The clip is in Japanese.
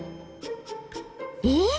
えっ？